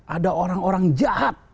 ada orang orang jahat